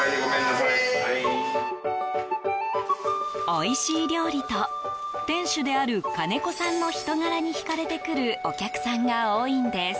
おいしい料理と店主である金子さんの人柄に引かれて来るお客さんが多いんです。